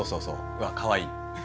うわかわいい。